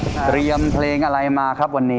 เตรียมเพลงอะไรมาครับวันนี้